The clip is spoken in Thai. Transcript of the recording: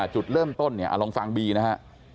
จุดเริ่มต้นเนี่ยลองฟังบีนะฮะ